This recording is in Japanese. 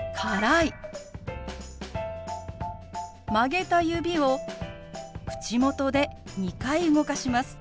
曲げた指を口元で２回動かします。